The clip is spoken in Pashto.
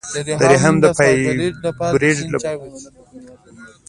د رحم د فایبرویډ لپاره د شین چای وڅښئ